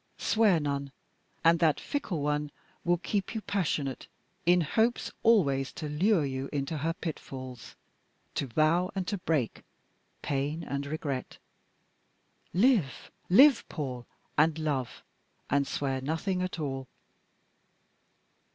Swear none, and that fickle one will keep you passionate, in hopes always to lure you into her pitfalls to vow and to break pain and regret. Live, live, Paul, and love, and swear nothing at all."